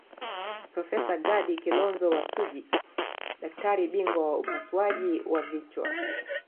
Profesa Gadi Kilonzo wa Suji daktari bingwa wa upasuaji wa vichwa